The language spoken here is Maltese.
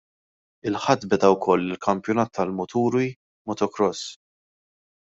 Il-Ħadd beda wkoll il-Kampjonat tal-muturi Motocross.